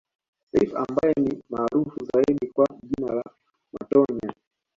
Seif ambaye ni maarufu zaidi kwa jina la Matonya